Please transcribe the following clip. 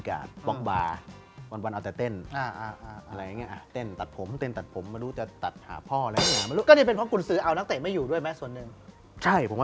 ก็เรียกเป็นเพราะกุญศือเอานักเตะไม่อยู่ด้วยไหมส่วนนึง